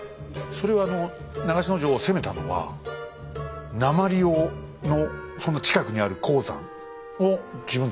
それは長篠城を攻めたのは鉛をのその近くにある鉱山を自分たちのものにするため。